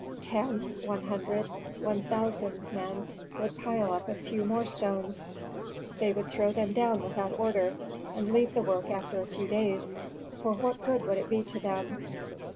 Ten, one hundred, one thousand men would pile up a few more stones. They would throw them down without order, and leave the work after a few days, for what good would it be to them?